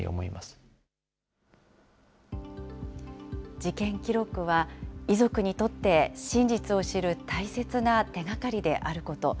事件記録は、遺族にとって、真実を知る大切な手がかりであること。